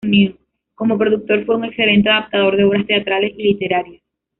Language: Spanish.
Como productor fue un excelente adaptador de obras teatrales y literarias.